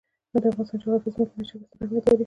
د افغانستان جغرافیه کې ځمکنی شکل ستر اهمیت لري.